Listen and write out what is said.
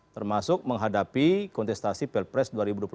termasuk menghadapi kontestasi pelpres dua ribu dua puluh empat